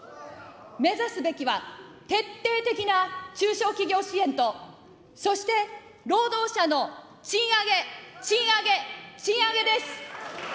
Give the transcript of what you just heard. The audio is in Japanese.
目指すべきは徹底的な中小企業支援と、そして労働者の賃上げ、賃上げ、賃上げです。